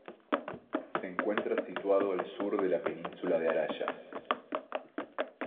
Se encuentra situado al sur de la Península de Araya.